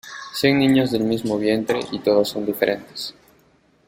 Cien niños del mismo vientre y todos son diferentes.